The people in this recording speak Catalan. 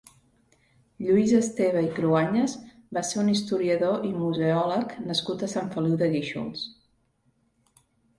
Lluís Esteva i Cruañas va ser un historiador i museòleg nascut a Sant Feliu de Guíxols.